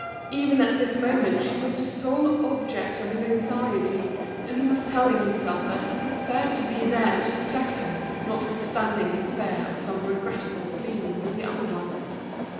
Even at this moment she was the sole object of his anxiety, and he was telling himself that he preferred to be there to protect her, notwithstanding his fear of some regrettable scene with the other one.